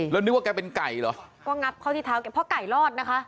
แล้วนึกว่าแกเป็นไก่เหรอก็งับเข้าที่เท้าแกเพราะไก่รอดนะคะ